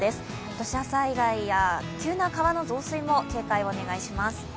土砂災害や、急な川の増水も警戒をお願いします。